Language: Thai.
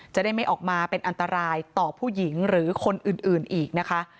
จะได้ไม่ออกมาเป็นอันตรายต่อผู้หญิงหรือคนอื่นอีกนะคะ